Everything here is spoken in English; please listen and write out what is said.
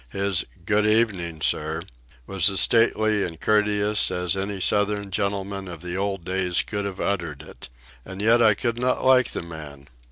His "Good evening, sir," was as stately and courteous as any southern gentleman of the old days could have uttered it. And yet I could not like the man.